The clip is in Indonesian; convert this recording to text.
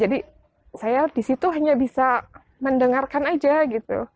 jadi saya di situ hanya bisa mendengarkan aja gitu